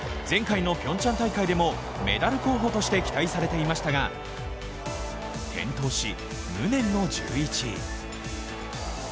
前回のピョンチャン大会でもメダル候補として期待されていましたが転倒し、無念の１１位。